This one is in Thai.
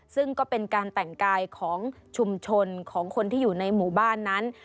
ซึ่งก็เป็นการแต่งกายของชุมชนของคนที่อยู่ในหมู่บ้านนั้น